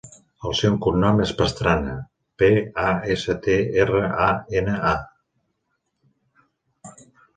El seu cognom és Pastrana: pe, a, essa, te, erra, a, ena, a.